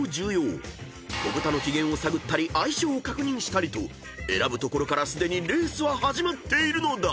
［子豚の機嫌を探ったり相性を確認したりと選ぶところからすでにレースは始まっているのだ］